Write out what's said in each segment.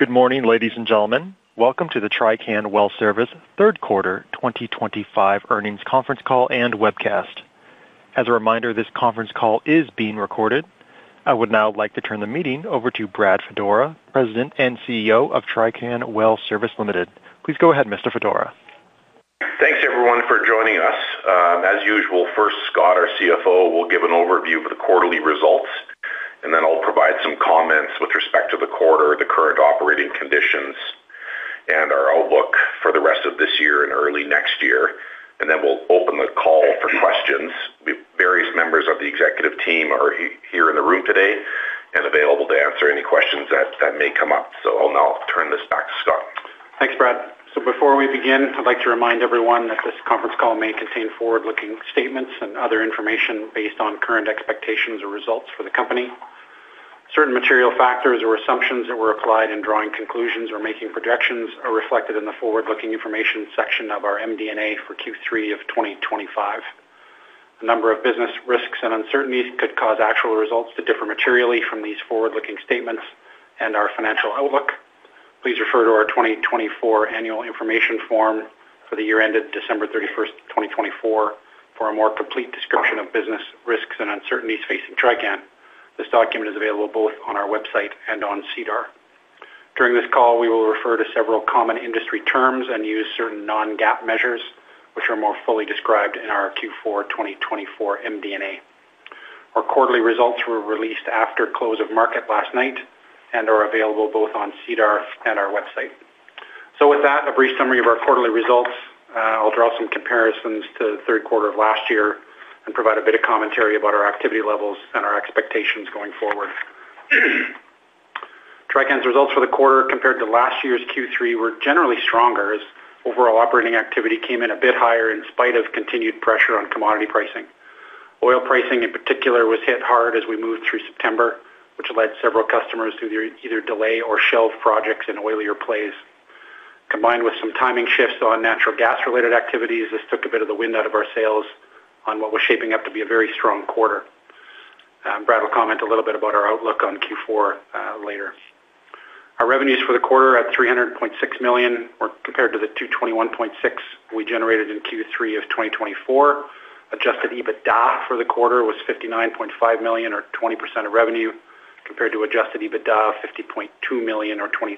Good morning, ladies and gentlemen. Welcome to the Trican Well Service Limited Third Quarter 2025 Earnings Conference Call and Webcast. As a reminder, this conference call is being recorded. I would now like to turn the meeting over to Brad Fedora, President and CEO of Trican Well Service Limited. Please go ahead, Mr. Fedora. Thanks, everyone, for joining us. As usual, first, Scott, our CFO, will give an overview of the quarterly results, and then I'll provide some comments with respect to the quarter, the current operating conditions, and our outlook for the rest of this year and early next year. We will open the call for questions. Various members of the executive team are here in the room today and available to answer any questions that may come up. I'll now turn this back to Scott. Thanks, Brad. Before we begin, I'd like to remind everyone that this conference call may contain forward-looking statements and other information based on current expectations or results for the company. Certain material factors or assumptions that were applied in drawing conclusions or making projections are reflected in the forward-looking information section of our MD&A for Q3 of 2025. A number of business risks and uncertainties could cause actual results to differ materially from these forward-looking statements and our financial outlook. Please refer to our 2024 Annual Information Form for the year ended December 31, 2024, for a more complete description of business risks and uncertainties facing Trican Well Service Ltd. This document is available both on our website and on SEDAR. During this call, we will refer to several common industry terms and use certain non-GAAP measures, which are more fully described in our Q4 2024 MD&A. Our quarterly results were released after close of market last night and are available both on SEDAR and our website. With that, a brief summary of our quarterly results. I'll draw some comparisons to the third quarter of last year and provide a bit of commentary about our activity levels and our expectations going forward. Trican's results for the quarter compared to last year's Q3 were generally stronger as overall operating activity came in a bit higher in spite of continued pressure on commodity pricing. Oil pricing, in particular, was hit hard as we moved through September, which led several customers to either delay or shelve projects in oilier plays. Combined with some timing shifts on natural gas-related activities, this took a bit of the wind out of our sales on what was shaping up to be a very strong quarter. Brad will comment a little bit about our outlook on Q4 later. Our revenues for the quarter are at $300.6 million compared to the $221.6 million we generated in Q3 of 2024. Adjusted EBITDA for the quarter was $59.5 million, or 20% of revenue, compared to Adjusted EBITDA of $50.2 million, or 23%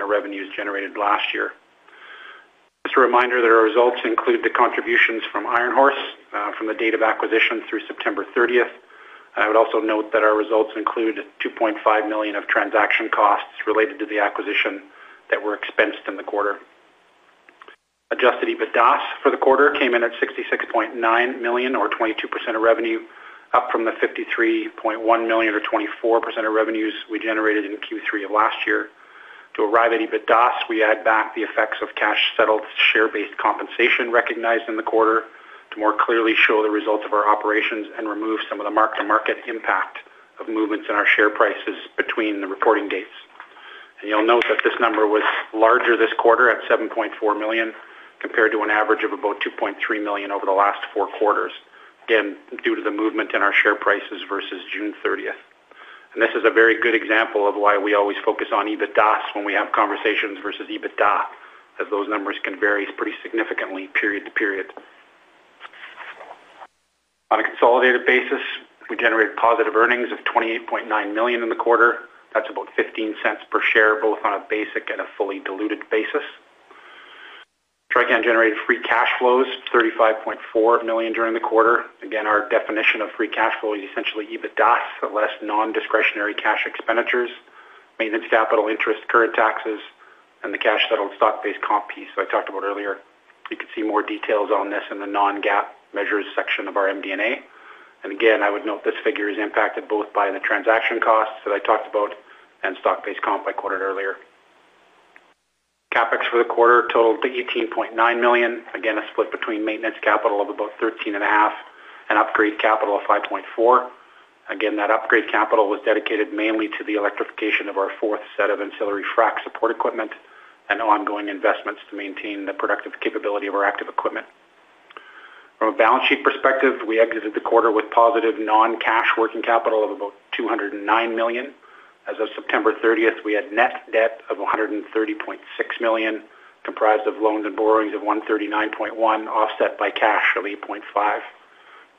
of revenues generated last year. Just a reminder that our results include the contributions from Iron Horse from the date of acquisition through September 30. I would also note that our results include $2.5 million of transaction costs related to the acquisition that were expensed in the quarter. Adjusted EBITDA for the quarter came in at $66.9 million, or 22% of revenue, up from the $53.1 million, or 24% of revenue we generated in Q3 of last year. To arrive at EBITDA, we add back the effects of cash-settled share-based compensation recognized in the quarter to more clearly show the results of our operations and remove some of the mark-to-market impact of movements in our share prices between the reporting dates. You'll note that this number was larger this quarter at $7.4 million compared to an average of about $2.3 million over the last four quarters, again, due to the movement in our share prices versus June 30. This is a very good example of why we always focus on EBITDA when we have conversations versus Adjusted EBITDA, as those numbers can vary pretty significantly period to period. On a consolidated basis, we generated positive earnings of $28.9 million in the quarter. That's about $0.15 per share, both on a basic and a fully diluted basis. Trican Well Service Ltd. generated free cash flow of $35.4 million during the quarter. Our definition of free cash flow is essentially EBITDA, less non-discretionary cash expenditures, maintenance capital, interest, current taxes, and the cash-settled stock-based comp piece I talked about earlier. You can see more details on this in the non-GAAP measures section of our MD&A. I would note this figure is impacted both by the transaction costs that I talked about and stock-based comp I quoted earlier. CapEx for the quarter totaled $18.9 million, a split between maintenance capital of about $13.5 million and upgrade capital of $5.4 million. That upgrade capital was dedicated mainly to the electrification of our fourth set of ancillary frac support equipment and ongoing investments to maintain the productive capability of our active equipment. From a balance sheet perspective, we exited the quarter with positive non-cash working capital of about $209 million. As of September 30, we had net debt of $130.6 million, comprised of loans and borrowings of $139.1 million, offset by cash of $8.5 million.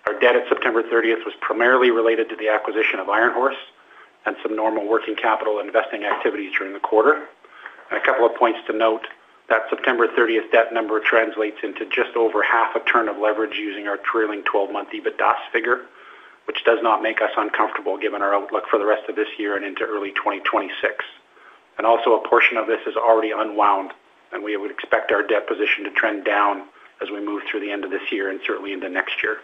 Our debt at September 30 was primarily related to the acquisition of Iron Horse and some normal working capital investing activities during the quarter. A couple of points to note, that September 30 debt number translates into just over half a turn of leverage using our trailing 12-month EBITDA figure, which does not make us uncomfortable given our outlook for the rest of this year and into early 2026. A portion of this is already unwound, and we would expect our debt position to trend down as we move through the end of this year and certainly into next year.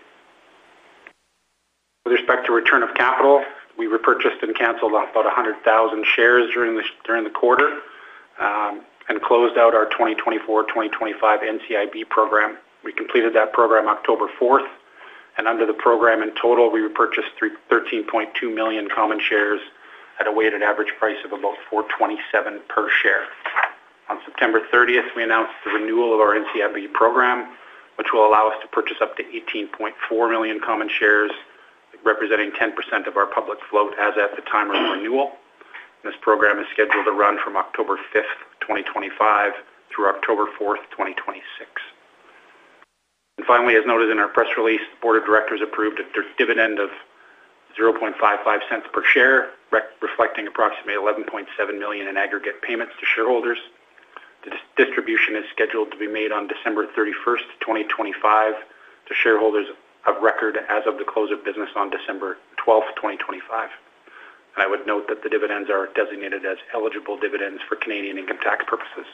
With respect to return of capital, we repurchased and canceled about 100,000 shares during the quarter and closed out our 2024-2025 Normal Course Issuer Bid (NCIB) program. We completed that program October 4, and under the program in total, we repurchased 13.2 million common shares at a weighted average price of about $4.27 per share. On September 30, we announced the renewal of our NCIB program, which will allow us to purchase up to 18.4 million common shares, representing 10% of our public float as at the time of renewal. This program is scheduled to run from October 5, 2025, through October 4, 2026. As noted in our press release, the Board of Directors approved a dividend of $0.55 per share, reflecting approximately $11.7 million in aggregate payments to shareholders. The distribution is scheduled to be made on December 31, 2025, to shareholders of record as of the close of business on December 12, 2025. The dividends are designated as eligible dividends for Canadian income tax purposes.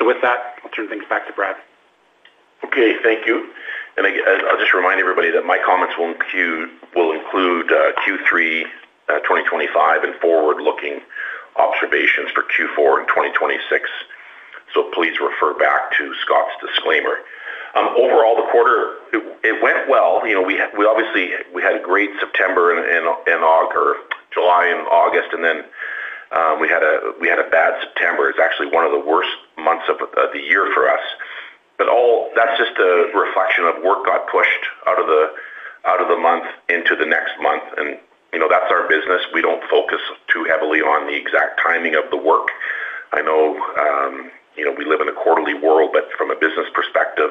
I'll turn things back to Brad. Okay, thank you. I'll just remind everybody that my comments will include Q3 2025 and forward-looking observations for Q4 and 2026. Please refer back to Scott's disclaimer. Overall, the quarter went well. We obviously had a great July and August, and then we had a bad September. It's actually one of the worst months of the year for us. All that's just a reflection of work got pushed out of the month into the next month. That's our business. We don't focus too heavily on the exact timing of the work. I know we live in a quarterly world, but from a business perspective,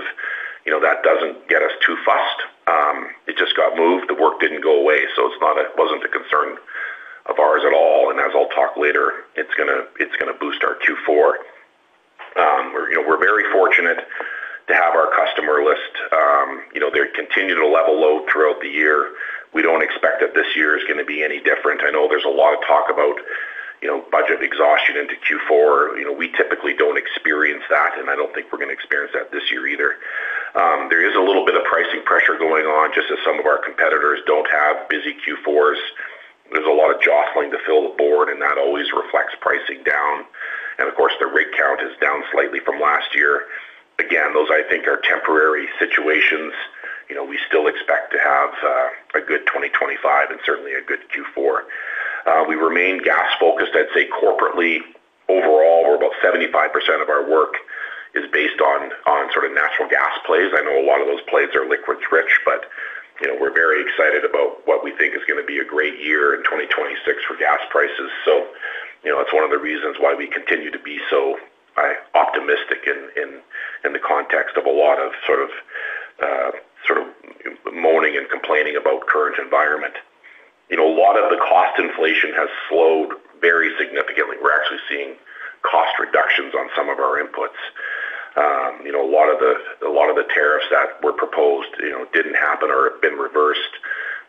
that doesn't get us too fussed. It just got moved. The work didn't go away. It wasn't a concern of ours at all. As I'll talk later, it's going to boost our Q4. We're very fortunate to have our customer list. They continue to level low throughout the year. We don't expect that this year is going to be any different. I know there's a lot of talk about budget exhaustion into Q4. We typically don't experience that, and I don't think we're going to experience that this year either. There is a little bit of pricing pressure going on, just as some of our competitors don't have busy Q4s. There's a lot of jostling to fill the board, and that always reflects pricing down. Of course, the rate count is down slightly from last year. Again, those I think are temporary situations. We still expect to have a good 2025 and certainly a good Q4. We remain gas-focused. I'd say corporately, overall, about 75% of our work is based on sort of natural gas plays. I know a lot of those plays are liquids-rich, but we're very excited about what we think is going to be a great year in 2026 for gas prices. That's one of the reasons why we continue to be so optimistic in the context of a lot of sort of moaning and complaining about the current environment. A lot of the cost inflation has slowed very significantly. We're actually seeing cost reductions on some of our inputs. A lot of the tariffs that were proposed didn't happen or have been reversed.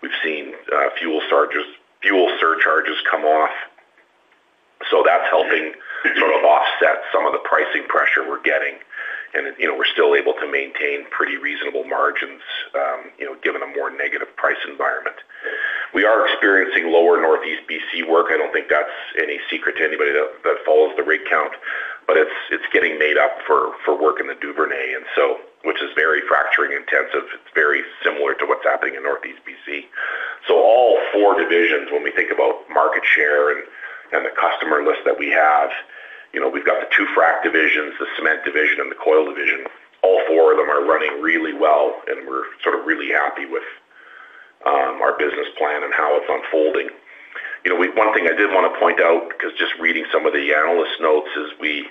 We've seen fuel surcharges come off. That's helping sort of offset some of the pricing pressure we're getting. We're still able to maintain pretty reasonable margins, given a more negative price environment. We are experiencing lower Northeast BC work. I don't think that's any secret to anybody that follows the rig count, but it's getting made up for work in the Duvernay, which is very fracturing intensive. It's very similar to what's happening in Northeast BC. All four divisions, when we think about market share and the customer list that we have, we've got the two frac divisions, the cement division, and the coil division. All four of them are running really well, and we're really happy with our business plan and how it's unfolding. One thing I did want to point out, because just reading some of the analyst notes, is we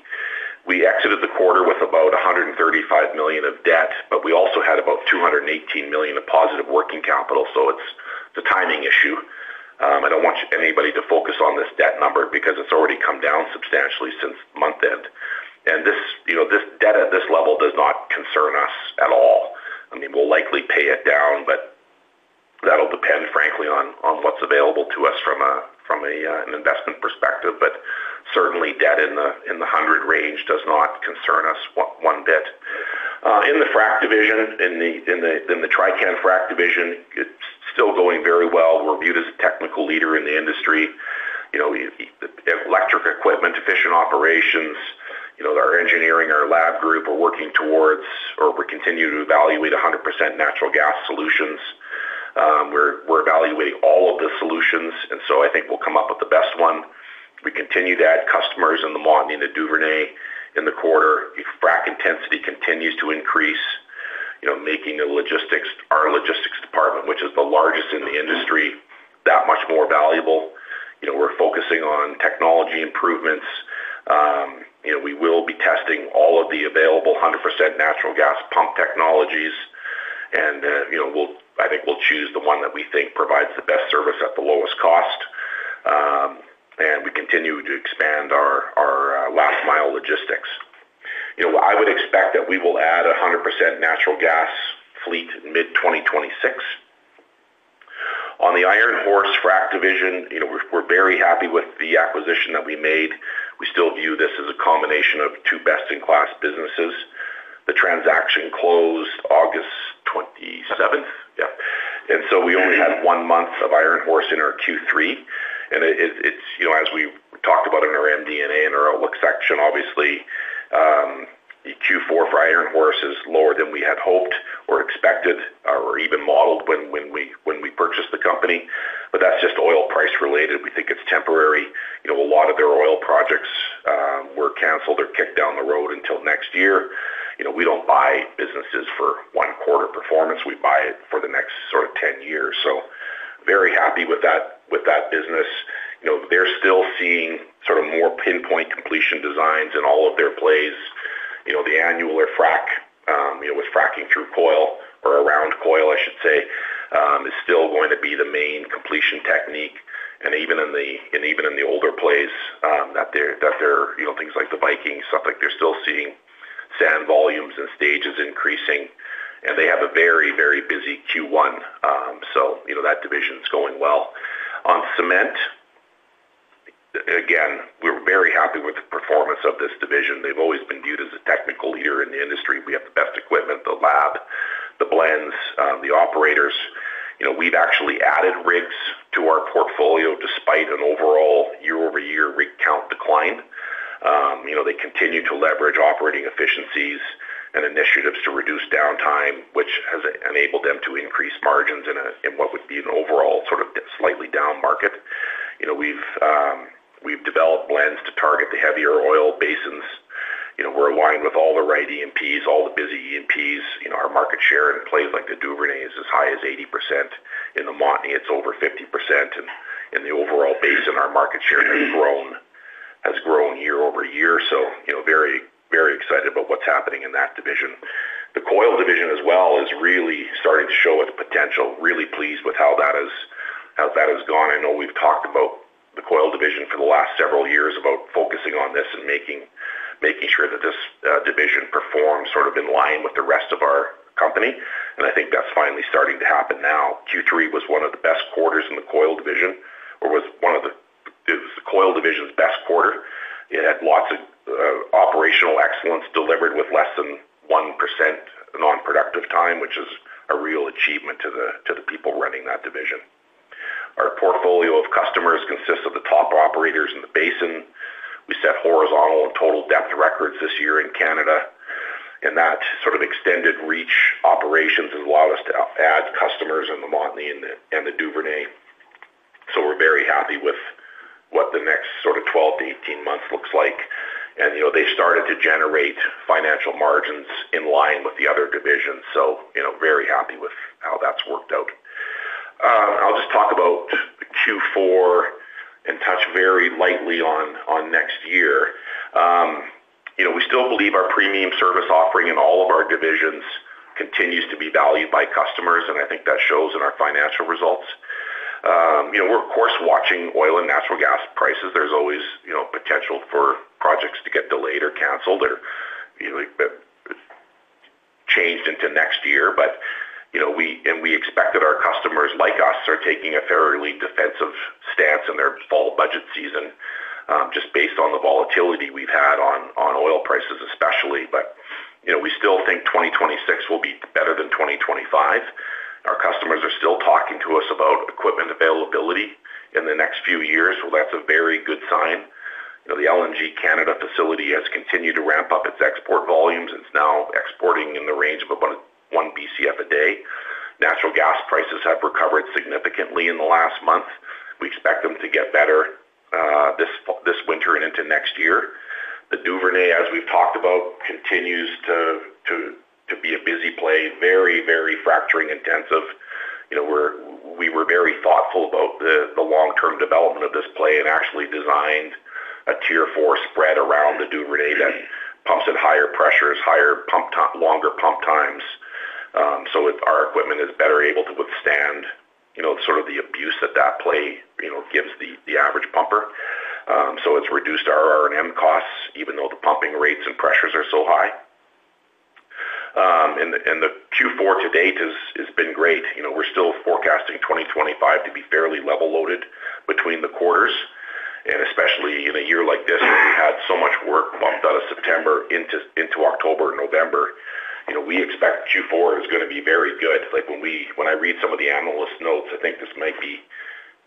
exited the quarter with about $135 million of debt, but we also had about $218 million of positive working capital. It's a timing issue. I don't want anybody to focus on this debt number because it's already come down substantially since month end. This debt at this level does not concern us at all. We'll likely pay it down, but that'll depend, frankly, on what's available to us from an investment perspective. Certainly, debt in the $100 million range does not concern us one bit. In the Trican frac division, it's still going very well. We're viewed as a technical leader in the industry. Electric equipment, efficient operations, our engineering, our lab group are working towards, or we continue to evaluate, 100% natural gas solutions. We're evaluating all of the solutions, and I think we'll come up with the best one. We continue to add customers in the Montney to Duvernay in the quarter. If frac intensity continues to increase, making our logistics department, which is the largest in the industry, that much more valuable. We're focusing on technology improvements. We will be testing all of the available 100% natural gas pump technologies, and I think we'll choose the one that we think provides the best service at the lowest cost. We continue to expand our last mile logistics. I would expect that we will add a 100% natural gas fleet in mid-2026. On the Iron Horse frac division, we're very happy with the acquisition that we made. We still view this as a combination of two best-in-class businesses. The transaction closed August 27, and we only had one month of Iron Horse in our Q3. As we talked about in our MD&A and our outlook section, obviously, the Q4 for Iron Horse is lower than we had hoped or expected or even modeled when we purchased the company. That's just oil price related. We think it's temporary. A lot of their oil projects were canceled or kicked down the road until next year. We don't buy businesses for one quarter performance. We buy it for the next sort of 10 years. Very happy with that business. They're still seeing sort of more pinpoint completion designs in all of their plays. The annual frac, with fracking through coil or around coil, I should say, is still going to be the main completion technique. Even in the older plays, things like the Viking, they're still seeing sand volumes and stages increasing. They have a very, very busy Q1. That division is going well. On cement, again, we're very happy with the performance of this division. They've always been viewed as a technical leader in the industry. We have the best equipment, the lab, the blends, the operators. We've actually added rigs to our portfolio despite an overall year-over-year rig count decline. They continue to leverage operating efficiencies and initiatives to reduce downtime, which has enabled them to increase margins in what would be an overall slightly down market. We've developed blends to target the heavier oil basins. We're aligned with all the right EMPs, all the busy EMPs. Our market share in plays like the Duvernay is as high as 80%. In the Montney, it's over 50%. In the overall basin, our market share has grown year over year. Very, very excited about what's happening in that division. The coil division as well is really starting to show its potential. Really pleased with how that has gone. I know we've talked about the coil division for the last several years about focusing on this and making sure that this division performs sort of in line with the rest of our company. I think that's finally starting to happen now. Q3 was one of the best quarters in the coil division, or it was the coil division's best quarter. It had lots of operational excellence delivered with less than 1% non-productive time, which is a real achievement to the people running that division. Our portfolio of customers consists of the top operators in the basin. We set horizontal and total depth records this year in Canada. That sort of extended reach operations has allowed us to add customers in the Montney and the Duvernay. We're very happy with what the next sort of 12-18 months looks like. They started to generate financial margins in line with the other divisions. We're very happy with how that's worked out. I'll just talk about Q4 and touch very lightly on next year. We still believe our premium service offering in all of our divisions continues to be valued by customers, and I think that shows in our financial results. We're, of course, watching oil and natural gas prices. There's always potential for projects to get delayed or canceled or changed into next year. We expect that our customers, like us, are taking a fairly defensive stance in their fall budget season, just based on the volatility we've had on oil prices especially. We still think 2026 will be better than 2025. Our customers are still talking to us about equipment availability in the next few years. That's a very good sign. The LNG Canada facility has continued to ramp up its export volumes, and it's now exporting in the range of about 1 BCF a day. Natural gas prices have recovered significantly in the last month. We expect them to get better this winter and into next year. The Duvernay, as we've talked about, continues to be a busy play, very, very fracturing intensive. We were very thoughtful about the long-term development of this play and actually designed a tier four spread around the Duvernay that pumps at higher pressures, higher pump time, longer pump times. Our equipment is better able to withstand the abuse that play gives the average pumper. It's reduced our R&M costs, even though the pumping rates and pressures are so high. The Q4 to date has been great. We're still forecasting 2025 to be fairly level-loaded between the quarters. Especially in a year like this, where we had so much work bumped out of September into October and November, we expect Q4 is going to be very good. When I read some of the analyst notes, I think this might be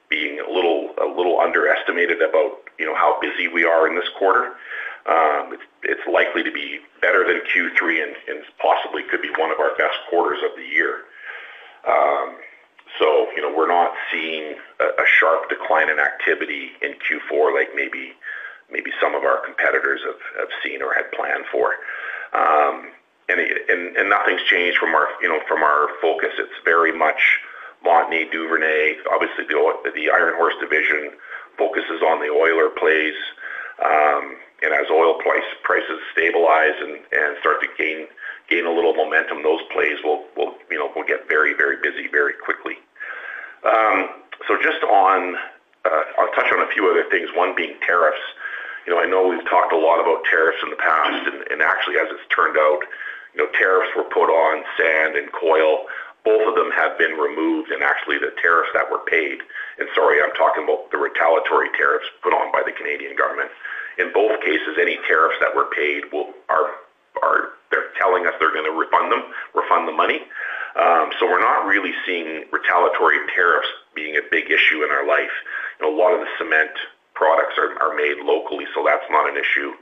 being a little underestimated about how busy we are in this quarter. It's likely to be better than Q3 and possibly could be one of our best quarters of the year. You know, we're not seeing a sharp decline in activity in Q4 like maybe some of our competitors have seen or had planned for. Nothing's changed from our focus. It's very much Montney, Duvernay. Obviously, the Iron Horse division focuses on the oilier plays. As oil prices stabilize and start to gain a little momentum, those plays will get very, very busy very quickly. I'll touch on a few other things, one being tariffs. I know we've talked a lot about tariffs in the past, and actually, as it's turned out, tariffs were put on sand and coil. Both of them have been removed, and actually, the tariffs that were paid—sorry, I'm talking about the retaliatory tariffs put on by the Canadian government—in both cases, any tariffs that were paid, they're telling us they're going to refund them, refund the money. We're not really seeing retaliatory tariffs being a big issue in our life. A lot of the cement products are made locally, so that's not an issue.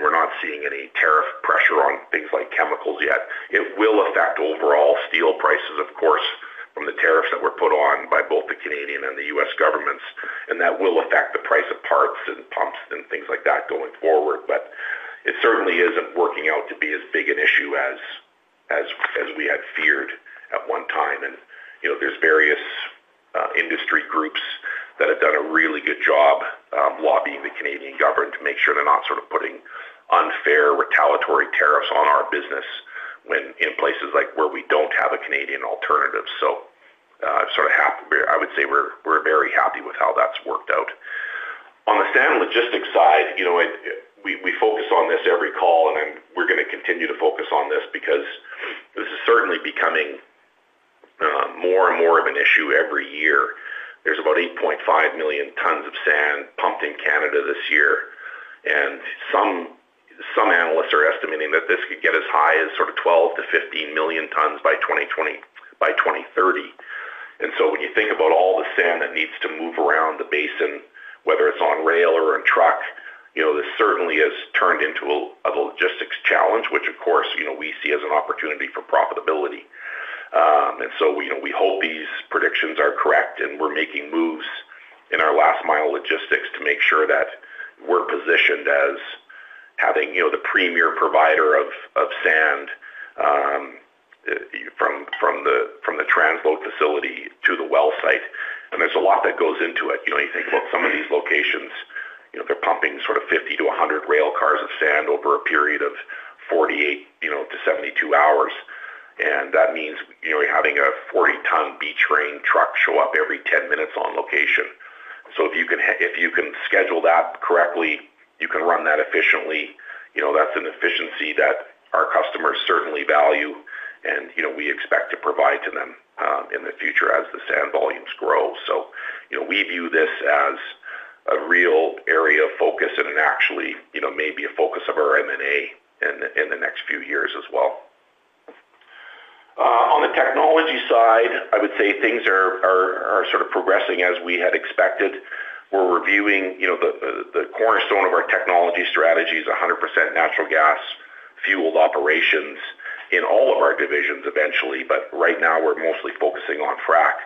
We're not seeing any tariff pressure on things like chemicals yet. It will affect overall steel prices, of course, from the tariffs that were put on by both the Canadian and the U.S. governments. That will affect the price of parts and pumps and things like that going forward. It certainly isn't working out to be as big an issue as we had feared at one time. There are various industry groups that have done a really good job lobbying the Canadian government to make sure they're not putting unfair retaliatory tariffs on our business in places where we don't have a Canadian alternative. I'm sort of happy. I would say we're very happy with how that's worked out. On the sand logistics side, we focus on this every call, and we're going to continue to focus on this because this is certainly becoming more and more of an issue every year. There's about 8.5 million tons of sand pumped in Canada this year. Some analysts are estimating that this could get as high as 12-15 million tons by 2030. When you think about all the sand that needs to move around the basin, whether it's on rail or on truck, this certainly has turned into a logistics challenge, which, of course, we see as an opportunity for profitability. We hope these predictions are correct, and we're making moves in our last mile logistics to make sure that we're positioned as the premier provider of sand from the transload facility to the well site. There's a lot that goes into it. You think about some of these locations, they're pumping 50-100 rail cars of sand over a period of 48-72 hours. That means you're having a 40-ton B-train truck show up every 10 minutes on location. If you can schedule that correctly, you can run that efficiently. That's an efficiency that our customers certainly value, and we expect to provide to them in the future as the sand volumes grow. We view this as a real area of focus and maybe a focus of our M&A opportunities in the next few years as well. On the technology side, I would say things are progressing as we had expected. We're reviewing, the cornerstone of our technology strategy is 100% natural gas-fueled operations in all of our divisions eventually, but right now we're mostly focusing on frac.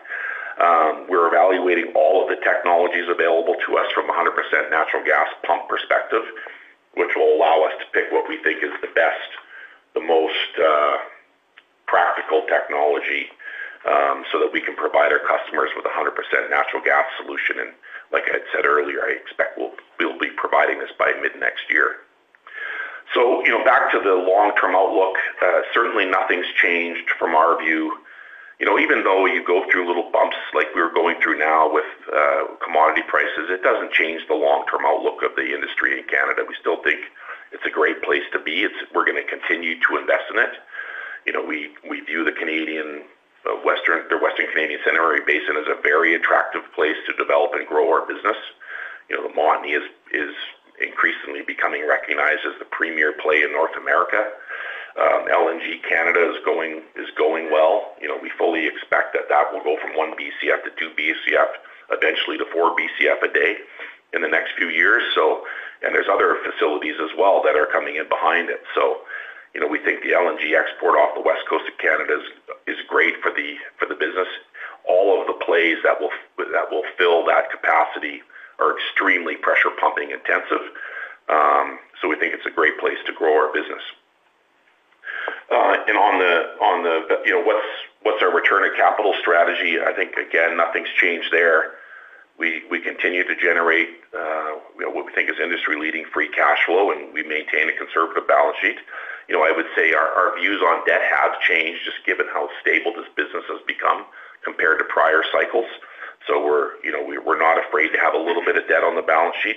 We're evaluating all of the technologies available to us from a 100% natural gas pump perspective, which will allow us to pick what we think is the best, the most practical technology, so that we can provide our customers with a 100% natural gas solution. Like I had said earlier, I expect we'll be providing this by mid-next year. Back to the long-term outlook, certainly nothing's changed from our view. Even though you go through little bumps like we're going through now with commodity prices, it doesn't change the long-term outlook of the industry in Canada. We still think it's a great place to be. We're going to continue to invest in it. We view the Western Canadian Sedimentary Basin as a very attractive place to develop and grow our business. The Montney is increasingly becoming recognized as the premier play in North America. LNG Canada is going well. We fully expect that will go from 1 BCF-2 BCF, eventually to 4 BCF a day in the next few years. There are other facilities as well that are coming in behind it. We think the LNG export off the west coast of Canada is great for the business. All of the plays that will fill that capacity are extremely pressure pumping intensive. We think it's a great place to grow our business. On the, you know, what's our return of capital strategy, I think, again, nothing's changed there. We continue to generate, you know, what we think is industry-leading free cash flow, and we maintain a conservative balance sheet. I would say our views on debt have changed, just given how stable this business has become compared to prior cycles. We're not afraid to have a little bit of debt on the balance sheet.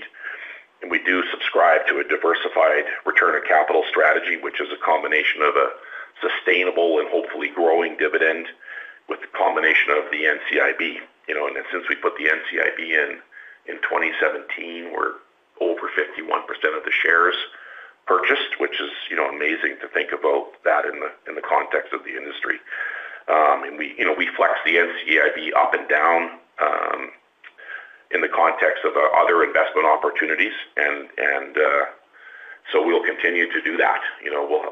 We do subscribe to a diversified return of capital strategy, which is a combination of a sustainable and hopefully growing dividend with a combination of the NCIB. Since we put the NCIB in in 2017, we're over 51% of the shares purchased, which is amazing to think about that in the context of the industry. We flex the NCIB up and down in the context of other investment opportunities, and we'll continue to do that.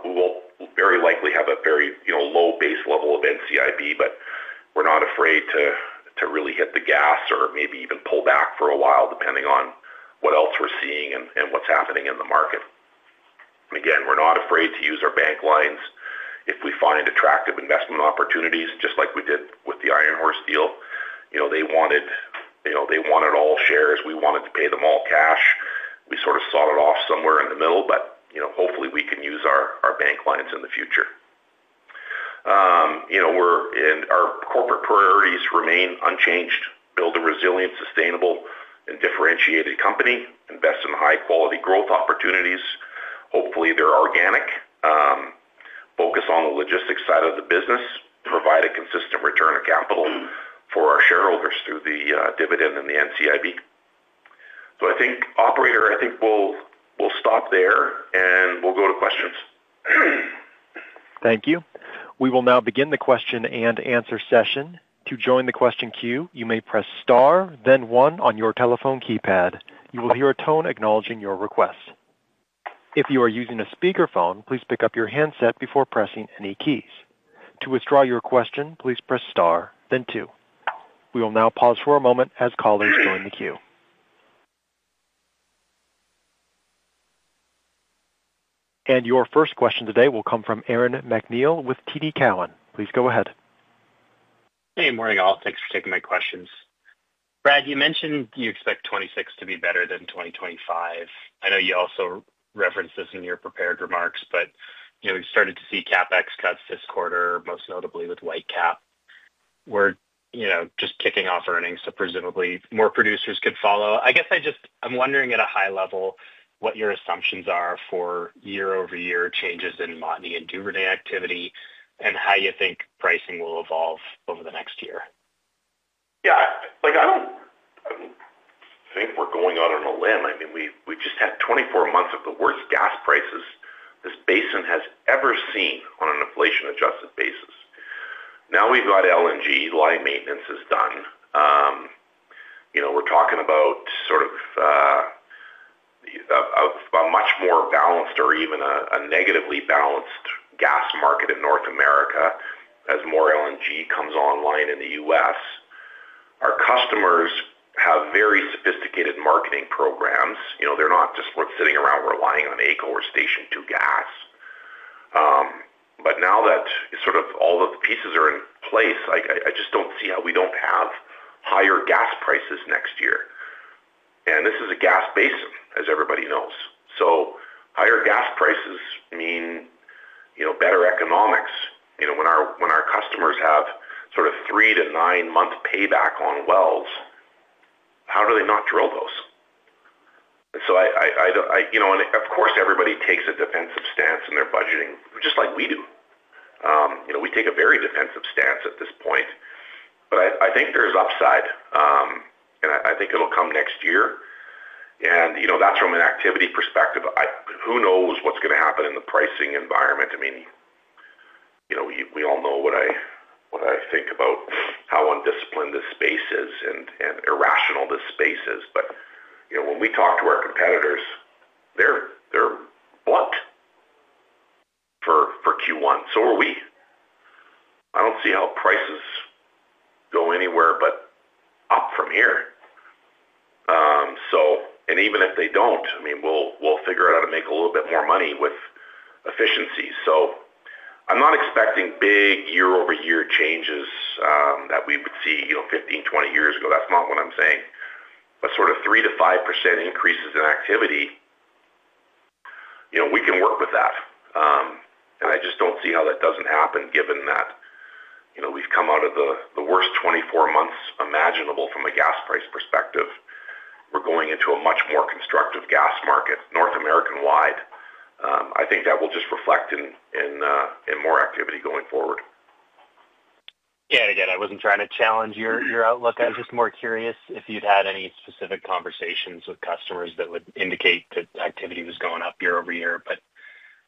We'll very likely have a very low base level of NCIB, but we're not afraid to really hit the gas or maybe even pull back for a while, depending on what else we're seeing and what's happening in the market. We're not afraid to use our bank lines if we find attractive investment opportunities, just like we did with the Iron Horse deal. They wanted all shares. We wanted to pay them all cash. We sort of sought it off somewhere in the middle, but hopefully, we can use our bank lines in the future. Our corporate priorities remain unchanged: build a resilient, sustainable, and differentiated company, invest in high-quality growth opportunities. Hopefully, they're organic. Focus on the logistics side of the business, provide a consistent return of capital for our shareholders through the dividend and the NCIB. I think, operator, I think we'll stop there, and we'll go to questions. Thank you. We will now begin the question and answer session. To join the question queue, you may press star, then one on your telephone keypad. You will hear a tone acknowledging your request. If you are using a speakerphone, please pick up your handset before pressing any keys. To withdraw your question, please press star, then two. We will now pause for a moment as callers join the queue. Your first question today will come from Aaron MacNeil with TD Cowen. Please go ahead. Hey, morning all. Thanks for taking my questions. Brad, you mentioned you expect 2026 to be better than 2025. I know you also referenced this in your prepared remarks, but we've started to see CapEx cuts this quarter, most notably with Whitecap. We're just kicking off earnings, so presumably more producers could follow. I guess I'm wondering at a high level what your assumptions are for year-over-year changes in Montney and Duvernay activity and how you think pricing will evolve over the next year. Yeah, I think we're going out on a limb. I mean, we've just had 24 months of the worst gas prices this basin has ever seen on an inflation-adjusted basis. Now we've got LNG. Line maintenance is done. We're talking about sort of a much more balanced or even a negatively balanced gas market in North America as more LNG comes online in the U.S. Our customers have very sophisticated marketing programs. They're not just sitting around relying on AECO Station 2 gas. Now that sort of all of the pieces are in place, I just don't see how we don't have higher gas prices next year. This is a gas basin, as everybody knows. Higher gas prices mean better economics. When our customers have sort of three to nine months payback on wells, how do they not drill those? Of course, everybody takes a defensive stance in their budgeting, just like we do. We take a very defensive stance at this point. I think there's upside, and I think it'll come next year. That's from an activity perspective. Who knows what's going to happen in the pricing environment? We all know what I think about how undisciplined this space is and how irrational this space is. When we talk to our competitors, they're blunt for Q1. So are we. I don't see how prices go anywhere but up from here. Even if they don't, we'll figure out how to make a little bit more money with efficiencies. I'm not expecting big year-over-year changes that we would see 15, 20 years ago. That's not what I'm saying. Sort of 3% to 5% increases in activity, we can work with that. I just don't see how that doesn't happen given that we've come out of the worst 24 months imaginable from a gas price perspective. We're going into a much more constructive gas market, North American-wide. I think that will just reflect in more activity going forward. Yeah, I wasn't trying to challenge your outlook. I was just more curious if you'd had any specific conversations with customers that would indicate that activity was going up year over year.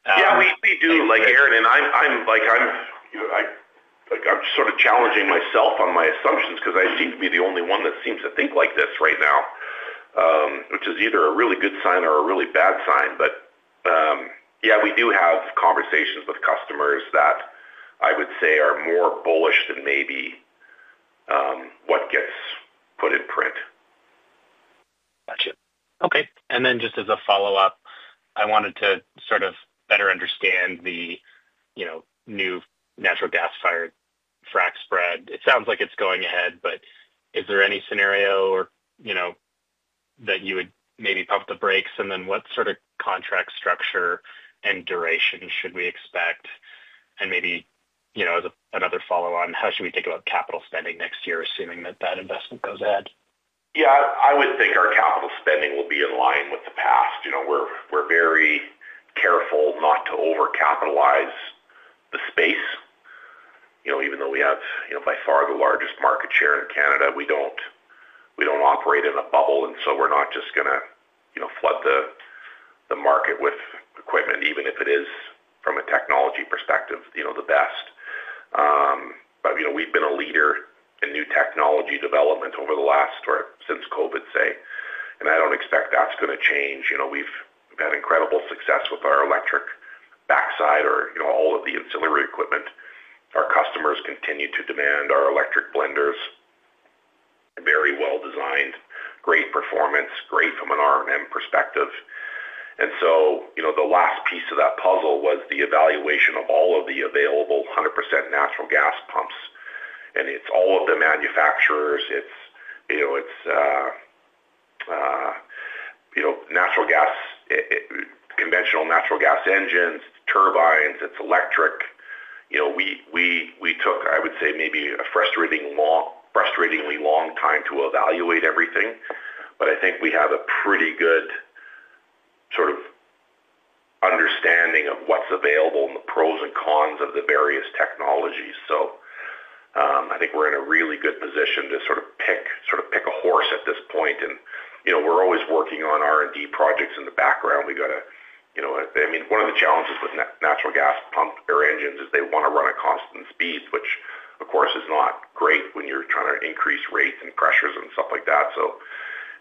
Yeah, we do. Like Aaron, I'm just sort of challenging myself on my assumptions because I seem to be the only one that seems to think like this right now, which is either a really good sign or a really bad sign. Yeah, we do have conversations with customers that I would say are more bullish than maybe what gets put in print. Gotcha. Okay. Just as a follow-up, I wanted to sort of better understand the new natural gas-fueled frac fleet. It sounds like it's going ahead, but is there any scenario that you would maybe pump the brakes? What sort of contract structure and duration should we expect? Maybe as another follow-on, how should we think about capital spending next year, assuming that investment goes ahead? Yeah, I would think our capital spending will be in line with the past. We're very careful not to overcapitalize the space. Even though we have, by far, the largest market share in Canada, we don't operate in a bubble. We're not just going to flood the market with equipment, even if it is from a technology perspective, the best. We've been a leader in new technology development since COVID, say, and I don't expect that's going to change. We've had incredible success with our electric backside or all of the ancillary equipment. Our customers continue to demand our electric blenders. Very well designed, great performance, great from an R&M perspective. The last piece of that puzzle was the evaluation of all of the available 100% natural gas pumps. It's all of the manufacturers. It's natural gas, conventional natural gas engines, turbines. It's electric. We took, I would say, maybe a frustratingly long time to evaluate everything. I think we have a pretty good sort of understanding of what's available and the pros and cons of the various technologies. I think we're in a really good position to sort of pick a horse at this point. We're always working on R&D projects in the background. One of the challenges with natural gas pumps or engines is they want to run at constant speed, which, of course, is not great when you're trying to increase rates and pressures and stuff like that.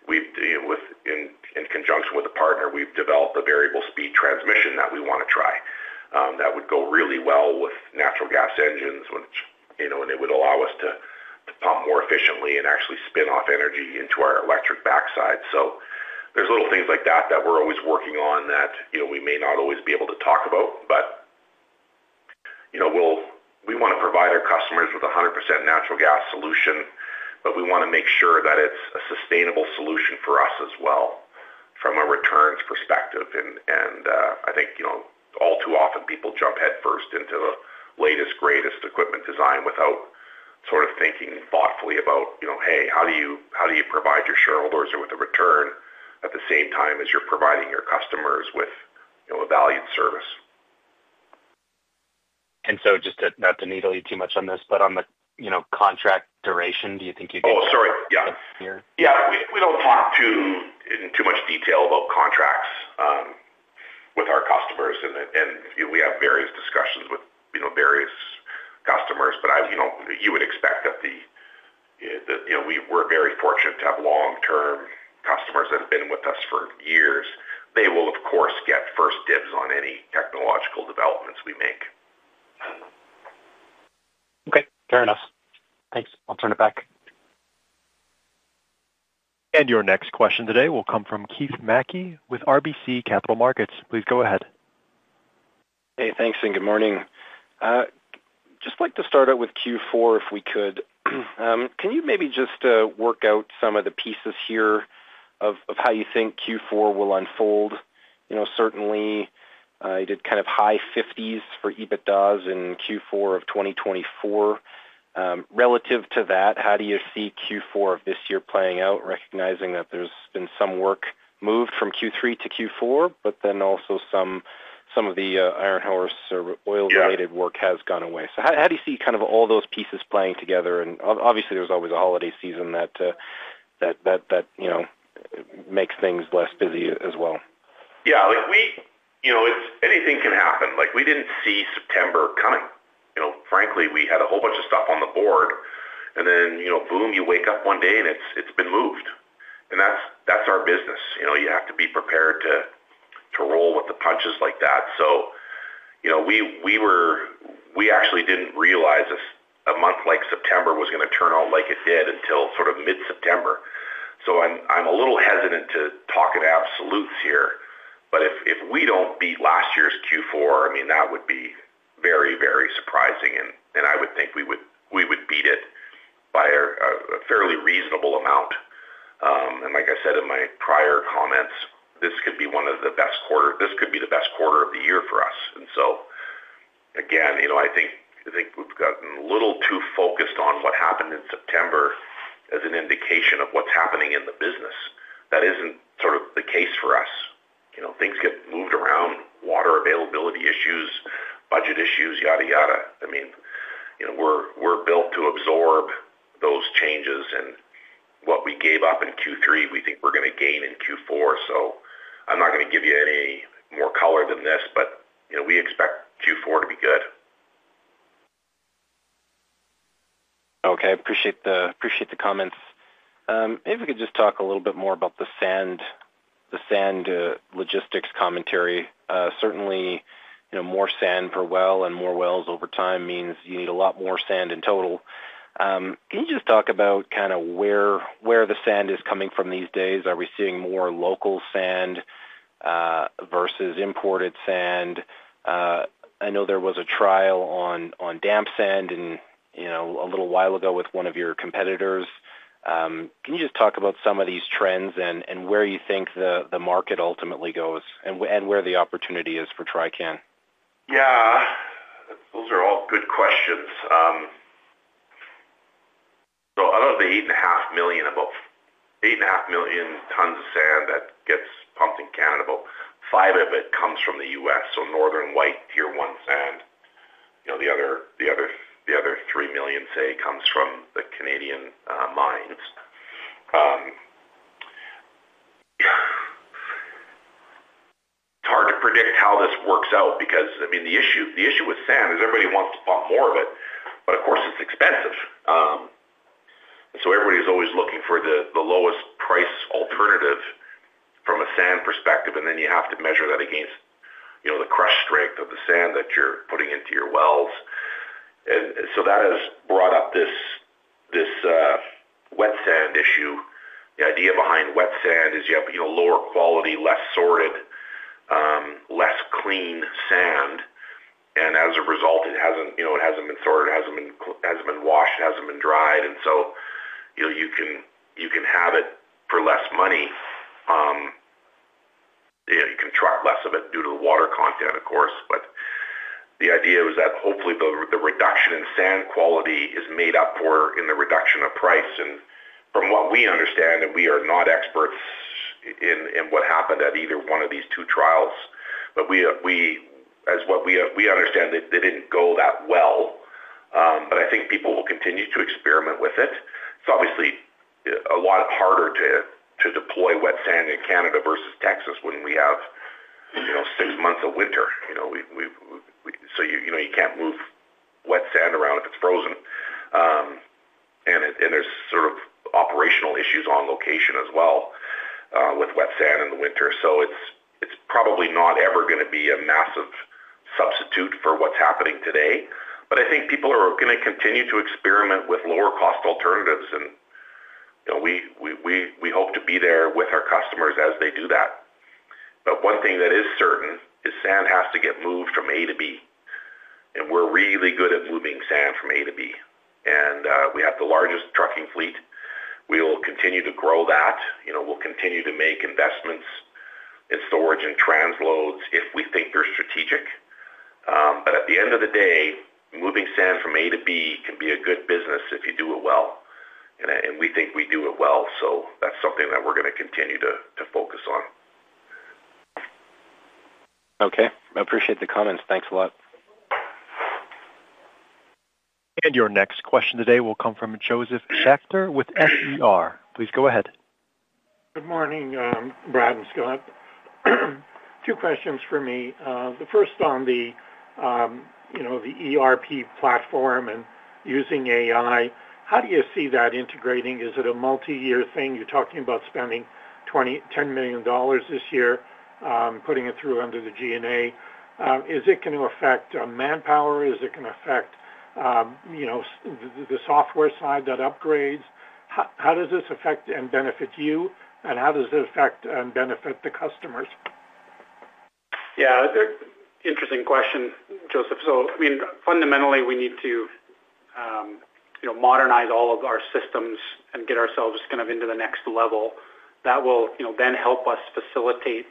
In conjunction with a partner, we've developed a variable speed transmission that we want to try. That would go really well with natural gas engines, and it would allow us to pump more efficiently and actually spin off energy into our electric backside. There are little things like that that we're always working on that we may not always be able to talk about. We want to provide our customers with a 100% natural gas solution, but we want to make sure that it's a sustainable solution for us as well from a returns perspective. I think all too often people jump headfirst into the latest, greatest equipment design without thinking thoughtfully about, hey, how do you provide your shareholders with a return at the same time as you're providing your customers with a valued service? Just to not needle you too much on this, on the contract duration, do you think you get? Oh, sorry. Yeah. We don't talk in too much detail about contracts with our customers. You know, we have various discussions with various customers. You would expect that we're very fortunate to have long-term customers that have been with us for years. They will, of course, get first dibs on any technological developments we make. Okay. Fair enough. Thanks. I'll turn it back. Your next question today will come from Keith Mackey with RBC Capital Markets. Please go ahead. Hey, thanks, and good morning. I'd just like to start out with Q4 if we could. Can you maybe just work out some of the pieces here of how you think Q4 will unfold? You know, certainly, you did kind of high $50 million for Adjusted EBITDA in Q4 of 2024. Relative to that, how do you see Q4 of this year playing out, recognizing that there's been some work moved from Q3 to Q4, but then also some of the Iron Horse or oil-related work has gone away? How do you see kind of all those pieces playing together? Obviously, there's always a holiday season that makes things less busy as well. Yeah, like we, you know, anything can happen. We didn't see September coming. Frankly, we had a whole bunch of stuff on the board, and then, you know, boom, you wake up one day and it's been moved. That's our business. You have to be prepared to roll with the punches like that. We actually didn't realize a month like September was going to turn out like it did until sort of mid-September. I'm a little hesitant to talk in absolutes here. If we don't beat last year's Q4, that would be very, very surprising. I would think we would beat it by a fairly reasonable amount. Like I said in my prior comments, this could be one of the best quarters. This could be the best quarter of the year for us. Again, I think we've gotten a little too focused on what happened in September as an indication of what's happening in the business. That isn't the case for us. Things get moved around, water availability issues, budget issues, yada, yada. We're built to absorb those changes. What we gave up in Q3, we think we're going to gain in Q4. I'm not going to give you any more color than this, but we expect Q4 to be good. Okay. I appreciate the comments. Maybe we could just talk a little bit more about the sand, the sand logistics commentary. Certainly, you know, more sand per well and more wells over time means you need a lot more sand in total. Can you just talk about kind of where the sand is coming from these days? Are we seeing more local sand versus imported sand? I know there was a trial on damp sand and, you know, a little while ago with one of your competitors. Can you just talk about some of these trends and where you think the market ultimately goes and where the opportunity is for Trican? Yeah, those are all good questions. Out of the 8.5 million, about 8.5 million tons of sand that gets pumped in Canada, about 5 of it comes from the U.S., so Northern White Tier 1 sand. The other 3 million, say, comes from the Canadian mines. It's hard to predict how this works out because, I mean, the issue with sand is everybody wants to pump more of it, but of course, it's expensive. Everybody's always looking for the lowest price alternative from a sand perspective, and then you have to measure that against the crush strength of the sand that you're putting into your wells. That has brought up this wet sand issue. The idea behind wet sand is you have lower quality, less sorted, less clean sand. As a result, it hasn't been sorted, it hasn't been washed, it hasn't been dried. You can have it for less money, you can truck less of it due to the water content, of course. The idea was that hopefully the reduction in sand quality is made up for in the reduction of price. From what we understand, and we are not experts in what happened at either one of these two trials, but as we understand, they didn't go that well. I think people will continue to experiment with it. It's obviously a lot harder to deploy wet sand in Canada versus Texas when we have six months of winter. You can't move wet sand around if it's frozen, and there are operational issues on location as well with wet sand in the winter. It's probably not ever going to be a massive substitute for what's happening today. I think people are going to continue to experiment with lower cost alternatives, and we hope to be there with our customers as they do that. One thing that is certain is sand has to get moved from A to B. We're really good at moving sand from A to B, and we have the largest trucking fleet. We will continue to grow that. We'll continue to make investments in storage and transloads if we think they're strategic. At the end of the day, moving sand from A to B can be a good business if you do it well, and we think we do it well. That's something that we're going to continue to focus on. Okay, I appreciate the comments. Thanks a lot. Your next question today will come from Joseph Schefter with Stifel. Please go ahead. Good morning, Brad and Scott. A few questions for me. The first on the ERP platform and using AI. How do you see that integrating? Is it a multi-year thing? You're talking about spending $10 million this year, putting it through under the G&A. Is it going to affect manpower? Is it going to affect the software side, the upgrades? How does this affect and benefit you? How does it affect and benefit the customers? Yeah, interesting question, Joseph. I mean, fundamentally, we need to modernize all of our systems and get ourselves kind of into the next level. That will then help us facilitate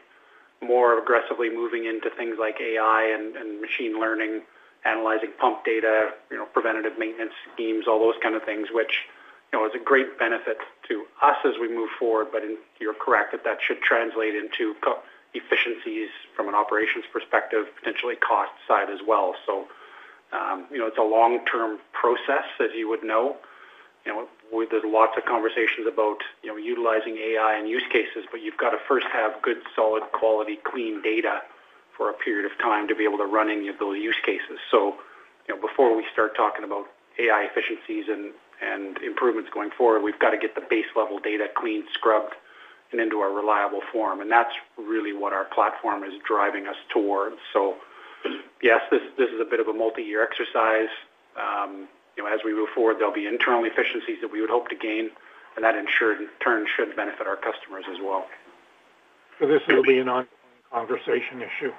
more aggressively moving into things like AI integration and machine learning, analyzing pump data, preventative maintenance schemes, all those kind of things, which is a great benefit to us as we move forward. You're correct that that should translate into efficiencies from an operations perspective, potentially cost side as well. It's a long-term process, as you would know. There are lots of conversations about utilizing AI integration and use cases, but you've got to first have good, solid quality, clean data for a period of time to be able to run any of those use cases. Before we start talking about AI integration efficiencies and improvements going forward, we've got to get the base-level data cleaned, scrubbed, and into a reliable form. That's really what our platform is driving us towards. Yes, this is a bit of a multi-year exercise. As we move forward, there'll be internal efficiencies that we would hope to gain, and that in turn should benefit our customers as well. This will be an ongoing conversation issue.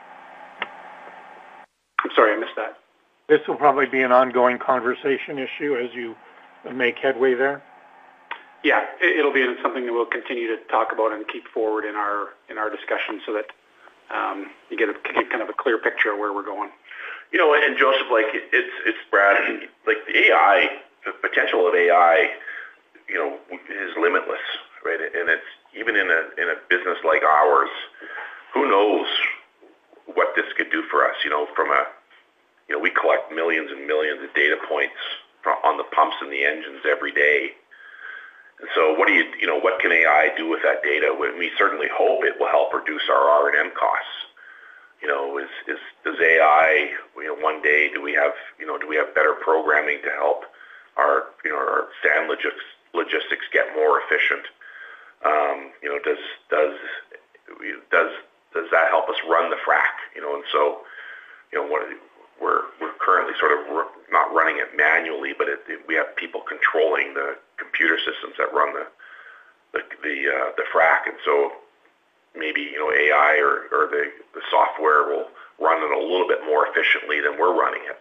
I'm sorry, I missed that. This will probably be an ongoing conversation issue as you make headway there. Yeah, it'll be something that we'll continue to talk about and keep forward in our discussion, so that you get a kind of a clear picture of where we're going. You know, Joseph, it's Brad. The potential of AI, you know, is limitless, right? Even in a business like ours, who knows what this could do for us? We collect millions and millions of data points on the pumps and the engines every day. What can AI do with that data? We certainly hope it will help reduce our R&M costs. Does AI, you know, one day, do we have better programming to help our sand logistics get more efficient? Does that help us run the frac? We're currently not running it manually, but we have people controlling the computer systems that run the frac. Maybe AI or the software will run it a little bit more efficiently than we're running it.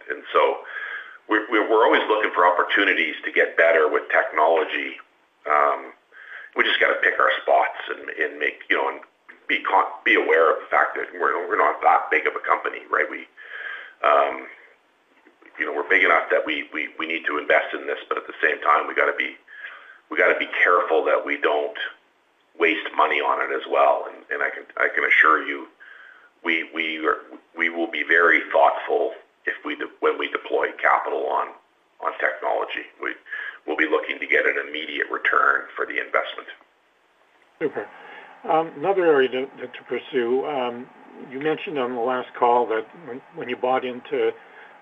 We're always looking for opportunities to get better with technology. We just got to pick our spots and be aware of the fact that we're not that big of a company, right? We're big enough that we need to invest in this, but at the same time, we got to be careful that we don't waste money on it as well. I can assure you, we will be very thoughtful if we deploy capital on technology. We'll be looking to get an immediate return for the investment. Okay. Another area to pursue, you mentioned on the last call that when you bought into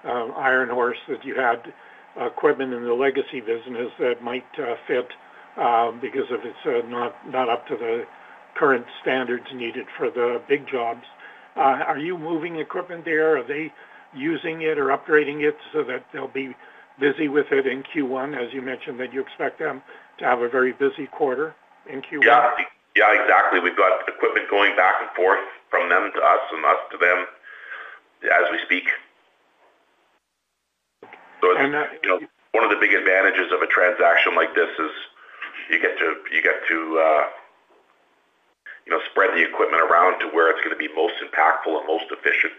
Iron Horse, that you had equipment in the legacy business that might fit, because it's not up to the current standards needed for the big jobs. Are you moving equipment there? Are they using it or upgrading it so that they'll be busy with it in Q1? You mentioned that you expect them to have a very busy quarter in Q1. Yeah, exactly. We've got equipment going back and forth from them to us and us to them as we speak. Okay. One of the big advantages of a transaction like this is you get to spread the equipment around to where it's going to be most impactful and most efficient.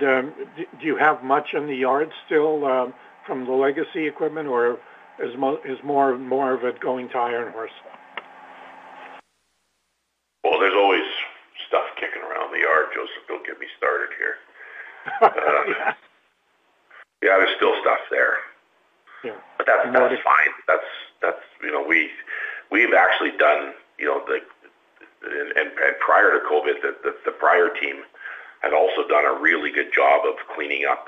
Do you have much in the yard still from the legacy equipment, or is more and more of it going to Iron Horse? There's always stuff kicking around the yard, Joseph. Don't get me started here. Yeah, there's still stuff there. Yeah. That's fine. We've actually done, you know, the, and prior to COVID, the prior team had also done a really good job of cleaning up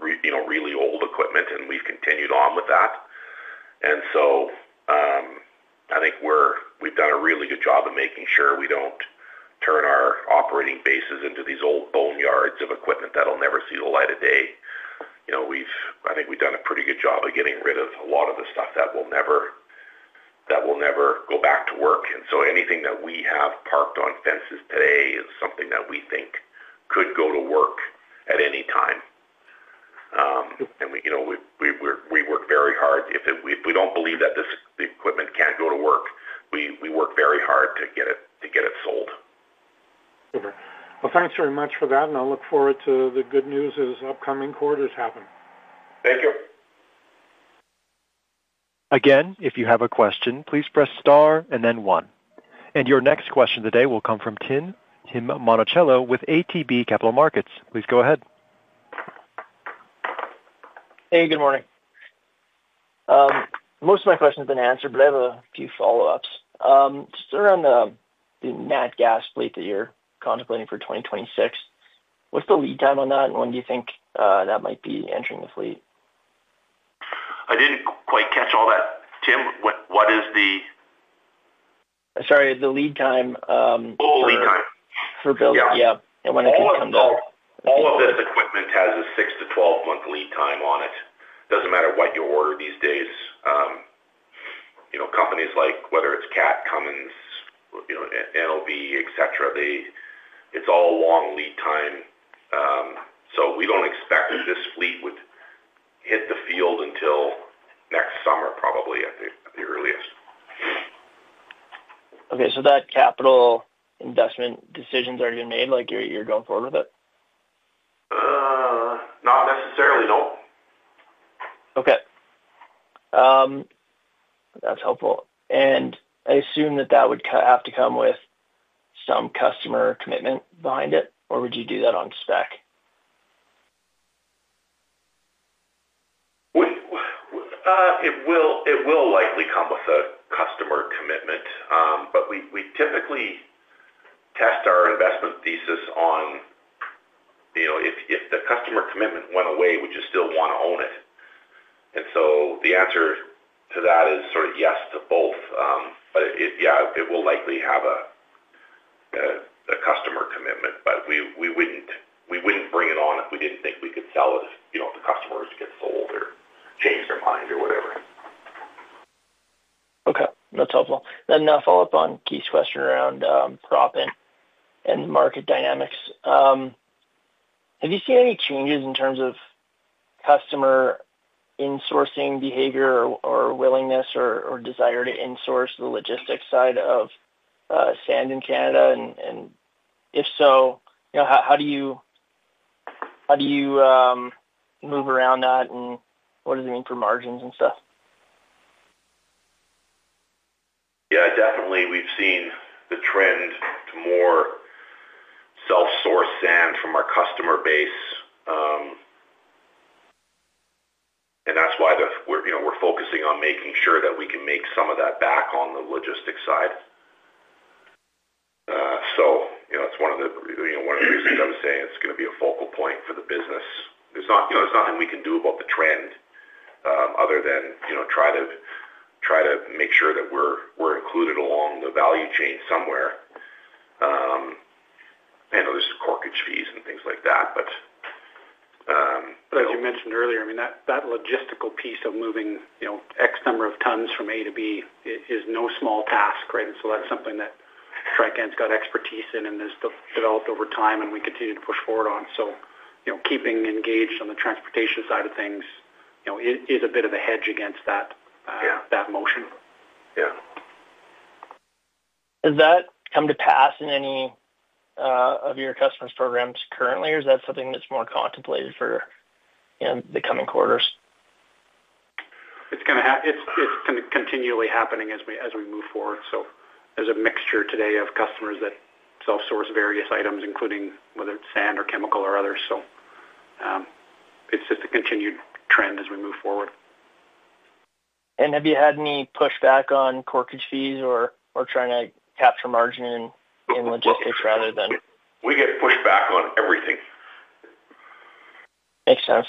really old equipment, and we've continued on with that. I think we've done a really good job of making sure we don't turn our operating bases into these old boneyards of equipment that'll never see the light of day. I think we've done a pretty good job of getting rid of a lot of the stuff that will never go back to work. Anything that we have parked on fences today is something that we think could go to work at any time. We work very hard. If we don't believe that the equipment can go to work, we work very hard to get it sold. Thank you very much for that. I'll look forward to the good news as upcoming quarters happen. Thank you. If you have a question, please press star and then one. Your next question today will come from Tim Monacello with ATB Capital Markets. Please go ahead. Hey, good morning. Most of my questions have been answered, but I have a few follow-ups just around the Natural gas fleet that you're contemplating for 2026. What's the lead time on that, and when do you think that might be entering the fleet? I didn't quite catch all that. Tim, what is the? Sorry, the lead time. Oh, lead time. For builds, yeah, when it comes up. All of this equipment has a 6 to 12-month lead time on it. It doesn't matter what you order these days. You know, companies like whether it's Catapillar, Cummins, NLB, etc., it's all long lead time. We don't expect that this fleet would hit the field until next summer, probably at the earliest. Okay. That capital investment decision's already been made, like you're going forward with it? Not necessarily, no. Okay, that's helpful. I assume that would have to come with some customer commitment behind it, or would you do that on spec? It will likely come with a customer commitment. We typically test our investment thesis on, you know, if the customer commitment went away, would you still want to own it? The answer to that is sort of yes to both. It will likely have a customer commitment, but we wouldn't bring it on if we didn't think we could sell it if, you know, if the customers get sold or change their mind or whatever. Okay. That's helpful. I'll follow up on Keith's question around proppant and the market dynamics. Have you seen any changes in terms of customer insourcing behavior or willingness or desire to insource the logistics side of sand in Canada? If so, how do you move around that, and what does it mean for margins and stuff? Yeah, definitely, we've seen the trend to more self-source sand from our customer base. That's why we're focusing on making sure that we can make some of that back on the logistics side. It's one of the reasons I was saying it's going to be a focal point for the business. There's nothing we can do about the trend, other than try to make sure that we're included along the value chain somewhere. There's corkage fees and things like that, but. As you mentioned earlier, that logistical piece of moving, you know, X number of tons from A to B is no small task, right? That's something that Trican's got expertise in and has developed over time, and we continue to push forward on. Keeping engaged on the transportation side of things is a bit of a hedge against that, yeah, that motion. Yeah. Has that come to pass in any of your customers' programs currently, or is that something that's more contemplated for the coming quarters? It's going to continually happen as we move forward. There's a mixture today of customers that self-source various items, including whether it's sand or chemical or others. It's just a continued trend as we move forward. Have you had any pushback on corkage fees or trying to capture margin in logistics rather than? We get pushback on everything. Makes sense.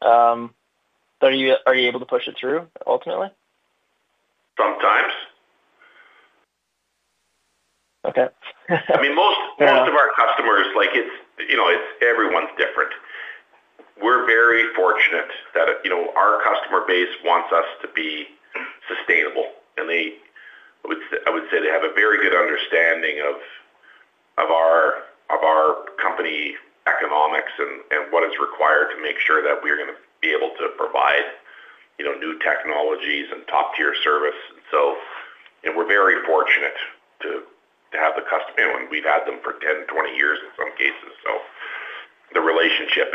Are you able to push it through ultimately? Sometimes. Okay. Most of our customers, it's, you know, everyone's different. We're very fortunate that our customer base wants us to be sustainable. I would say they have a very good understanding of our company economics and what is required to make sure that we're going to be able to provide new technologies and top-tier service. We're very fortunate to have the customer, and we've had them for 10, 20 years in some cases. The relationship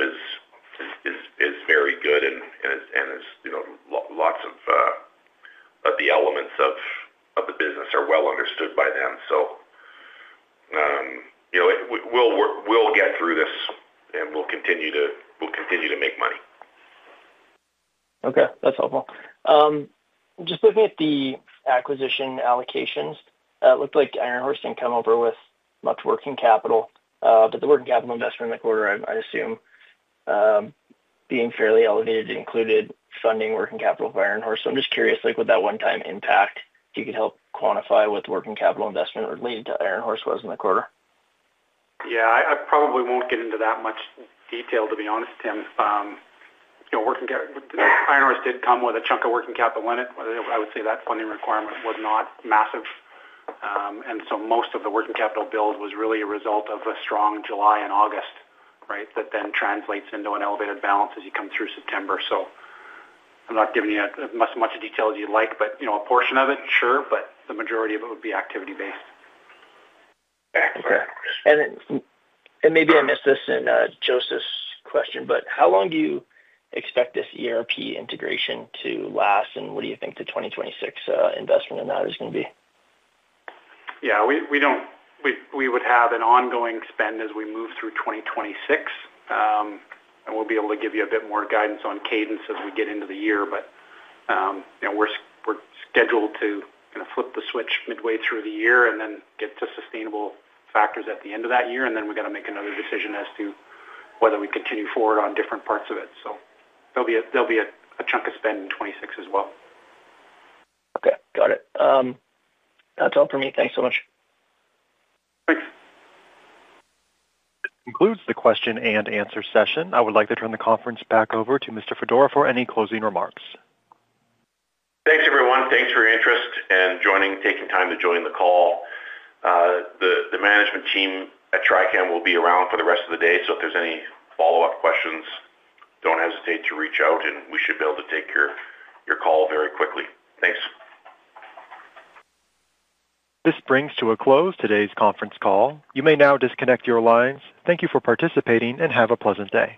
is very good and lots of the elements of the business are well understood by them. We'll get through this and we'll continue to make money. Okay. That's helpful. Just looking at the acquisition allocations, it looked like Iron Horse didn't come over with much working capital, but the working capital investment in the quarter, I assume, being fairly elevated, included funding working capital of Iron Horse. I'm just curious, with that one-time impact, if you could help quantify what the working capital investment related to Iron Horse was in the quarter. Yeah, I probably won't get into that much detail, to be honest, Tim. You know, working Iron Horse did come with a chunk of working capital in it. I would say that funding requirement was not massive, and most of the working capital build was really a result of a strong July and August, right, that then translates into an elevated balance as you come through September. I'm not giving you as much detail as you'd like, but you know, a portion of it, sure, but the majority of it would be activity-based. Excellent. Maybe I missed this in Joseph's question, but how long do you expect this ERP integration to last, and what do you think the 2026 investment in that is going to be? Yeah, we would have an ongoing spend as we move through 2026, and we'll be able to give you a bit more guidance on cadence as we get into the year. We're scheduled to kind of flip the switch midway through the year and then get to sustainable factors at the end of that year. We have to make another decision as to whether we continue forward on different parts of it. There will be a chunk of spend in 2026 as well. Okay. Got it. That's all for me. Thanks so much. Thanks. That concludes the question and answer session. I would like to turn the conference back over to Mr. Fedora for any closing remarks. Thanks, everyone. Thanks for your interest and taking time to join the call. The management team at Trican will be around for the rest of the day. If there's any follow-up questions, don't hesitate to reach out, and we should be able to take your call very quickly. Thanks. This brings to a close today's conference call. You may now disconnect your lines. Thank you for participating and have a pleasant day.